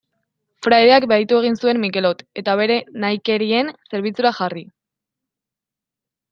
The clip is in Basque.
Fraideak bahitu egin zuen Mikelot, eta bere nahikerien zerbitzura jarri.